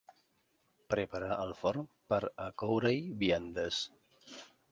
Preparar el forn per a coure-hi viandes.